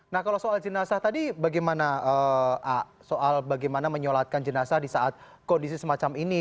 nah kalau soal jenazah tadi bagaimana soal bagaimana menyolatkan jenazah di saat kondisi semacam ini